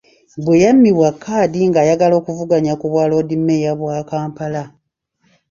Bwe yammibwa kkaadi ng'ayagala okuvuganya ku Bwaloodimmeeya bwa Kampala,